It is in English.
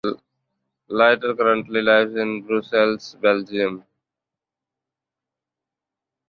Lietaer currently lives in Brussels, Belgium.